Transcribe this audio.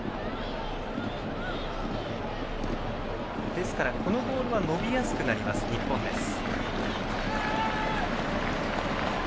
ですからこのボールは伸びやすくなる日本です。